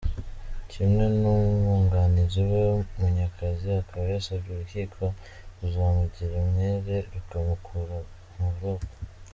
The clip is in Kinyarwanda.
Kimwe n’umwunganizi we, Munyakazi akaba yasabye urukiko kuzamugira umwere rukamukura mu buroko.